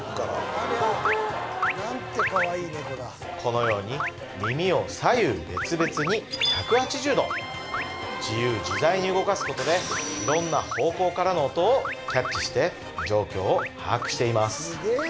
このように耳を左右別々に１８０度自由自在に動かすことで色んな方向からの音をキャッチして状況を把握しています